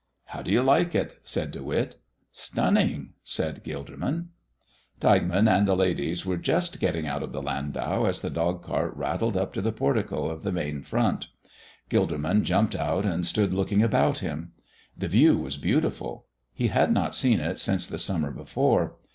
"How do you like it?" said De Witt. "Stunning!" said Gilderman. Tilghman and the ladies were just getting out of the landau as the dog cart rattled up to the portico of the main front. Gilderman jumped out and stood looking about him. The view was beautiful. He had not seen it since the summer before.